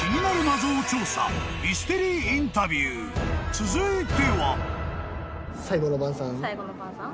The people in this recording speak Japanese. ［続いては］